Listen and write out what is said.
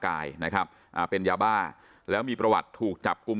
กายนะครับอ่าเป็นยาบ้าแล้วมีประวัติถูกจับกลุ่ม